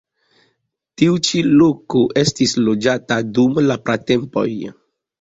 Tiu ĉi loko estis loĝata dum la pratempoj.